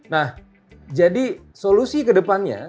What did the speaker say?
nah jadi solusi kedepannya